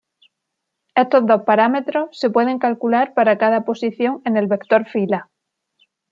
Estos dos parámetros se pueden calcular para cada posición en el vector fila.